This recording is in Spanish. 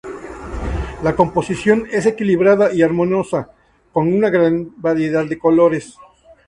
La composición es equilibrada y armoniosa, con una gran variedad de colores.